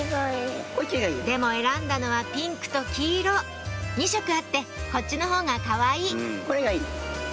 でも選んだのはピンクと黄色２色あってこっちのほうがかわいいこれがいいの？